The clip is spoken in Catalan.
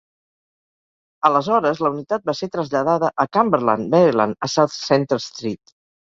Aleshores la unitat va ser traslladada a Cumberland, Maryland, a South Centre Street.